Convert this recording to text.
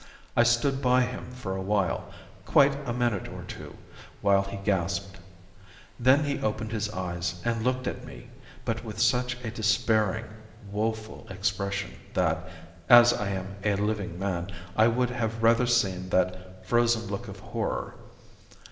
I stood by him for a while, quite a minute or two, while he gasped. Then he opened his eyes and looked at me, but with such a despairing, woeful expression that, as I am a living man, I would have rather seen that frozen look of horror.